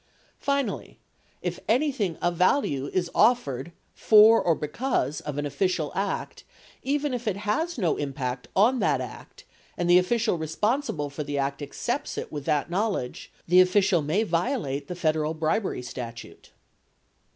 4 Finally, if anything of value is offered "for or because of" an official act even if it has no impact on that act and the official responsible for the act accepts it with that knowl edge, the official may violate the Federal bribery statute.